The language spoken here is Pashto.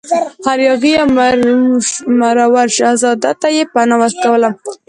هر یاغي یا مرور شهزاده ته یې پناه ورکوله.